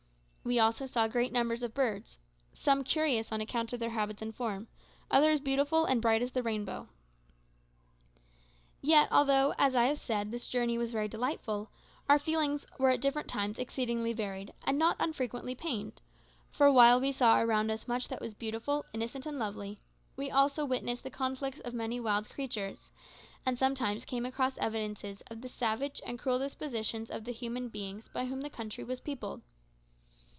We also saw great numbers of birds some curious on account of their habits and form, others beautiful and bright as the rainbow. Yet although, as I have said, this journey was very delightful, our feelings were at different times exceedingly varied, and not unfrequently pained; for while we saw around us much that was beautiful, innocent, and lovely, we also witnessed the conflicts of many wild creatures, and sometimes came across evidences of the savage and cruel dispositions of the human beings by whom the country was peopled.